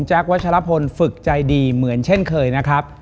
วัชลพลฝึกใจดีเหมือนเช่นเคยนะครับ